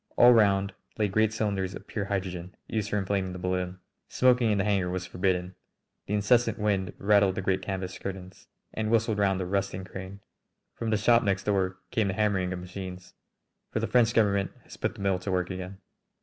All round lay great cylinders of pure hydrogen, used for inflating the balloon. Smoking in the hangar was forbidden. The incessant wind rattled the great canvas curtains and whistled round the rusting crane. From the shop next door came the hammering of machines, for the French Government has put the mill to work again.